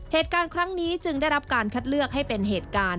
เหตุการณ์ครั้งนี้จึงได้รับการคัดเลือกให้เป็นเหตุการณ์